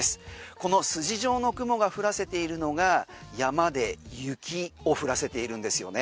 この筋状の雲が降らせているのが山で雪を降らせているんですよね。